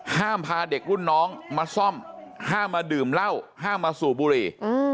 ห้ามพาเด็กรุ่นน้องมาซ่อมห้ามมาดื่มเหล้าห้ามมาสูบบุหรี่